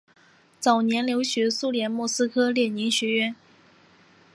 早年留学苏联莫斯科列宁学院。